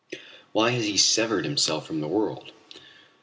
Why has he severed himself from the world?